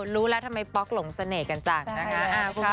รู้แล้วทำไมป๊อกหลงเสน่ห์กันจังนะคะ